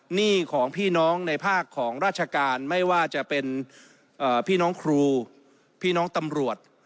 หนี้ของพี่น้องในภาคของราชการไม่ว่าจะเป็นพี่น้องครูพี่น้องตำรวจ